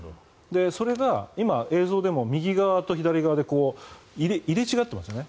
それが今、映像でも右側と左側で入れ違っていましたよね。